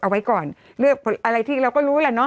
เอาไว้ก่อนเรียกอะไรที่เราก็รู้แล้ว